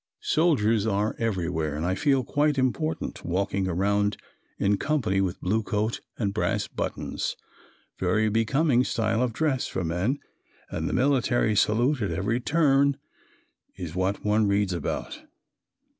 Soldiers are everywhere and I feel quite important, walking around in company with blue coat and brass buttons very becoming style of dress for men and the military salute at every turn is what one reads about.